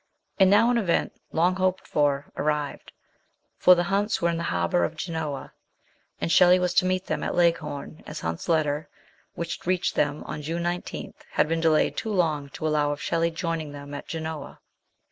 And now an event, long hoped for, arrived, for the Hunts were in the harbour of Genoa, and Shelley was to meet them at Leghorn, as Hunt's letter, which reached them on June 19, had been de layed too long to allow of Shelley joining them at Genoa.